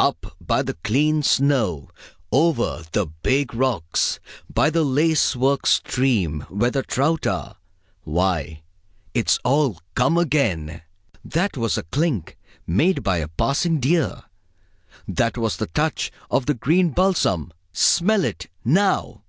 Up by the clean snow; over the big rocks; by the lace work stream where the trout are why, it's all come again! That was the clink made by a passing deer. That was the touch of the green balsam smell it, now!